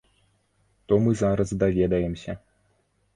То мы зараз даведаемся.